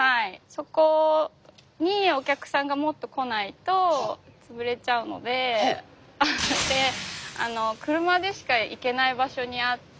そこにお客さんがもっと来ないと潰れちゃうのであの車でしか行けない場所にあって。